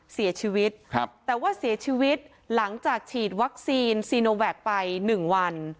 เสียชีวิตครับแต่ว่าเสียชีวิตหลังจากฉีดวัคซีนซีโนแวคไป๑วัน